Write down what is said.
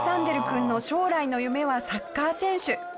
君の将来の夢はサッカー選手。